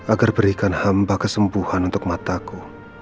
agar berikan hamba kesembuhan untuk mataku